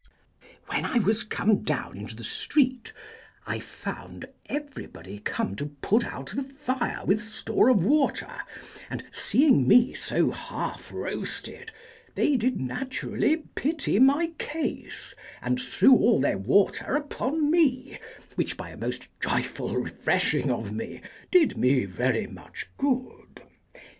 When I was come down into the street, I found everybody come to put out the fire with store of water, and seeing me so half roasted, they did naturally pity my case, and threw all their water upon me, which, by a most joyful refreshing of me, did me very much good.